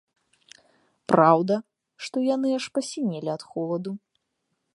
Праўда, што яны аж пасінелі з холаду.